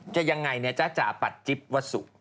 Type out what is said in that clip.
ยังไงเนี่ยจ๊ะจ๋าปัดจิ๊บวัสสุ